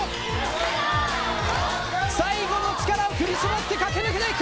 最後の力を振り絞って駆け抜けていく！